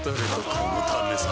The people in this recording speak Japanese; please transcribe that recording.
このためさ